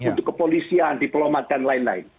untuk kepolisian diplomat dan lain lain